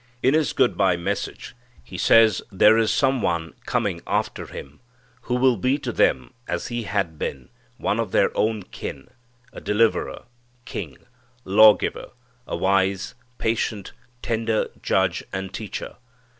In his good bye message he says there is some One coming after him, who will be to them as he had been, one of their own kin, a deliverer, king, lawgiver, a wise, patient, tender judge and teacher.